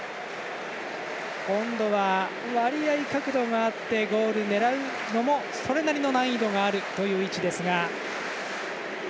今度は割合、角度があってゴールを狙うのもそれなりの難易度があるという位置ですが。